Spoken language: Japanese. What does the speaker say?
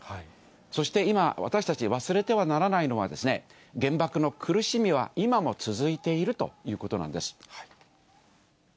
そして今、私たち、忘れてはならないのは、原爆の苦しみは今も続いているということなんです。